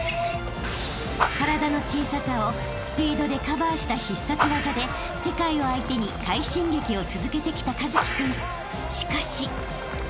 ［体の小ささをスピードでカバーした必殺技で世界を相手に快進撃を続けてきた一輝君］